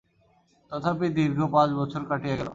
তথাপি দীর্ঘ পাঁচ বৎসর কাটিয়া গেল।